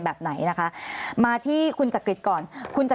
ก็คลิปออกมาแบบนี้เลยว่ามีอาวุธปืนแน่นอน